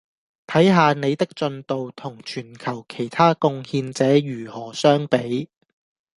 睇下您的進度同全球其他貢獻者如何相比